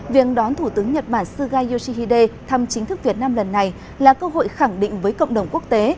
việc đón thủ tướng nhật bản suga yoshihide thăm chính thức việt nam lần này là cơ hội khẳng định với cộng đồng quốc tế